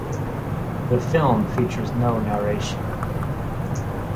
The film features no narration.